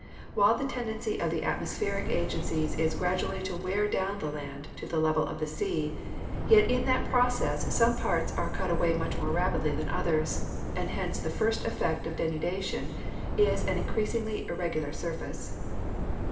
While the tendency of the atmos pheric agencies is gradually to wear down the land to the level of the sea, yet in that process some parts are cut away much more rapidly than others, and hence the first effect of denudation is an increasingly irregular surface.